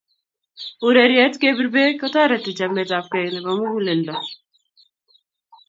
Urerietab kebir beek kotoreti chametabgeei nebo muguleldo